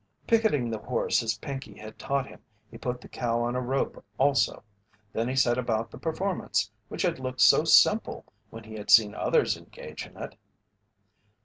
Picketing the horse as Pinkey had taught him, he put the cow on a rope also. Then he set about the performance which had looked so simple when he had seen others engage in it.